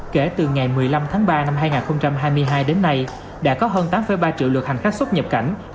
kể từ ngày một mươi năm tháng ba năm hai nghìn hai mươi hai đến nay đã có hơn tám ba triệu lượt hành khách xuất nhập cảnh